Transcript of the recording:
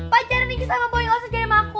pancaran ini sama boy yang oseh jalan sama aku